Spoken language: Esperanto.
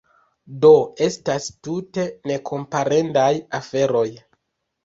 Do, estas tute nekomparendaj aferoj.